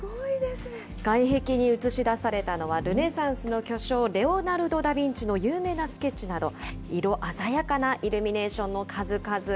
外壁に映し出されたのはルネサンスの巨匠、レオナルド・ダビンチの有名なスケッチなど、色鮮やかなイルミネーションの数々。